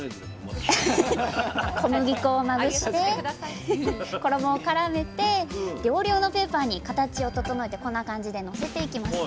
小麦粉をまぶして衣をからめて料理用のペーパーに形を整えてこんな感じでのせていきます。